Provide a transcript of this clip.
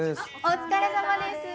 お疲れさまです。